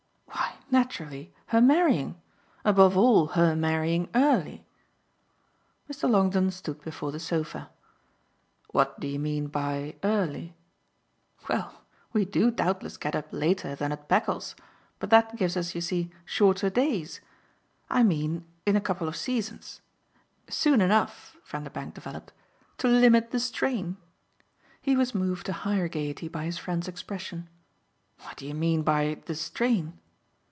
"Why naturally her marrying. Above all her marrying early." Mr. Longdon stood before the sofa. "What do you mean by early?" "Well, we do doubtless get up later than at Beccles; but that gives us, you see, shorter days. I mean in a couple of seasons. Soon enough," Vanderbank developed, "to limit the strain !" He was moved to higher gaiety by his friend's expression. "What do you mean by the strain?"